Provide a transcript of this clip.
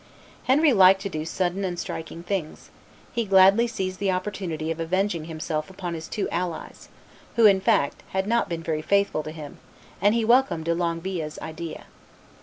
Henry liked to do sudden and striking things: he gladly seized the opportunity of avenging himself upon his two allies, who, in fact, had not been very faithful to him, and he welcomed De Longueville's idea.